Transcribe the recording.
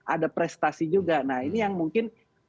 ada prestasi juga nah ini yang mungkin